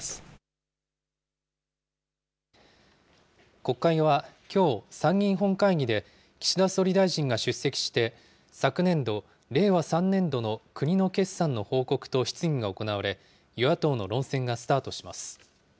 国会はきょう、参議院本会議で岸田総理大臣が出席して、昨年度・令和３年度の国の決算の報告と質疑が行われ、与野党の論戦がスタートします。